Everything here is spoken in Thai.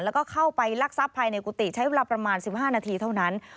แล้วก็เข้าไปลักทรัพย์ภายในกุฏิใช้เวลาประมาณ๑๕นาทีเท่านั้น